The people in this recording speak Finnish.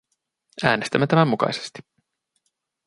Äänestämme tämän mukaisesti.